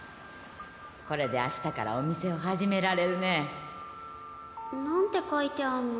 これで明日からお店を始められるねなんて書いてあんの？